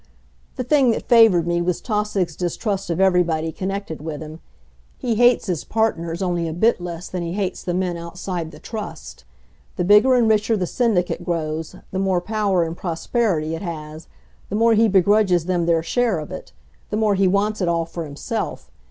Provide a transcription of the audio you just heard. The thing that favored me was Tausig's distrust of everybody connected with him. He hates his partners only a bit less than he hates the men outside the Trust. The bigger and richer the Syndicate grows, the more power and prosperity it has, the more he begrudges them their share of it; the more he wants it all for himself.